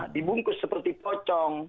dibungkus seperti pocong